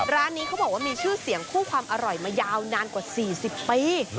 ร้านนี้เขาบอกว่ามีชื่อเสียงคู่ความอร่อยมายาวนานกว่า๔๐ปี